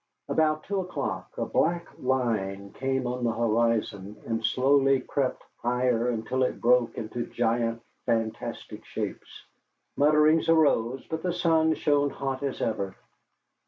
About two o'clock a black line came on the horizon, and slowly crept higher until it broke into giant, fantastic shapes. Mutterings arose, but the sun shone hot as ever.